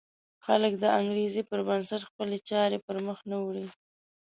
خلک د انګېزې پر بنسټ خپلې چارې پر مخ نه وړي.